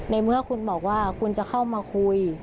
ในเมื่อคุณบอกว่าคุณจะเข้ามาคุย